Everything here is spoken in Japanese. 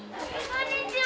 こんにちは。